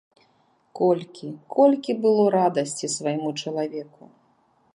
Колькі, колькі было радасці свайму чалавеку.